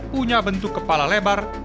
punya bentuk kepala lebar